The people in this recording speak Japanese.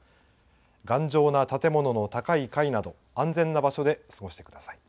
頑丈な建物の高い階など、安全な場所で過ごしてください。